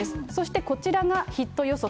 そしてこちらがヒット予測